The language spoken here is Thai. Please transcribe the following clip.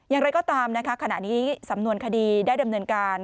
อย่างไรก็ตามนะคะขณะนี้สำนวนคดีได้ดำเนินการ